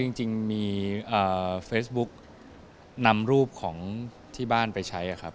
อย่างจริงมีเฟซบุ๊คนำรูปของที่บ้านไปใช้